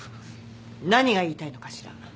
何が言いたいのかしら。